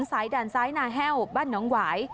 สายด่านซ้ายนาแห้วบ้านน้องหวาย